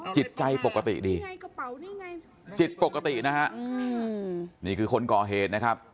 จิตใจปกติดีจิตปกตินะฮะนี่คือคนก่อเหตุนะครับ